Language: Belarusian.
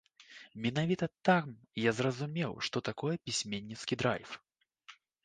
Менавіта там я зразумеў, што такое пісьменніцкі драйв.